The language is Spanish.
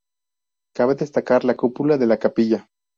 Cabe destacar la cúpula de la capilla.